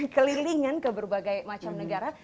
kelilingan ke berbagai macam negara